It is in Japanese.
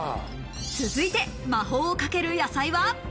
続いて魔法をかける野菜は。